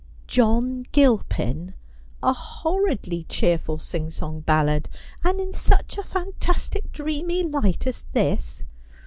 ' John Gilpin ! a horridly cheerful singsong ballad — and in such a fantastic dreamy light as this